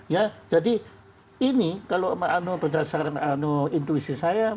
ya jadi ini kalau berdasarkan intuisi saya